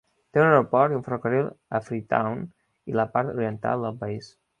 Té un aeroport i un ferrocarril a Freetown i la part oriental del país.